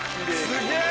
すげえ！